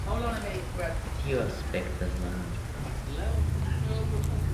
Tio aspektas la morto.